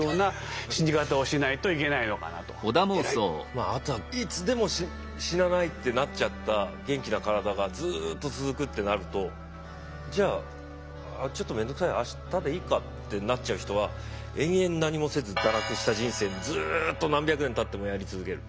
まああとはいつでも死なないってなっちゃった元気な体がずっと続くってなるとじゃあちょっと面倒くさいあしたでいいかってなっちゃう人は延々何もせず堕落した人生にずっと何百年たってもやり続ける。